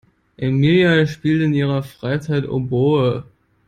Emilia spielt in ihrer Freizeit Oboe.